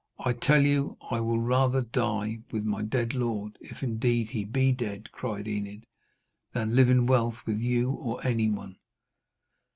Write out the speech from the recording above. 'I tell you I will rather die with my dead lord, if indeed he be dead,' cried Enid, 'than live in wealth with you or any one.'